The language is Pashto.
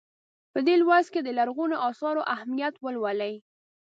په دې لوست کې د لرغونو اثارو اهمیت ولولئ.